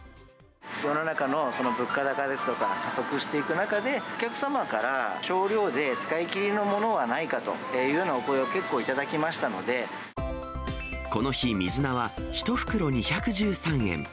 世の中の物価高ですとか、加速していく中で、お客様から少量で使いきりのものはないかというようなお声を結構この日、水菜は１袋２１３円。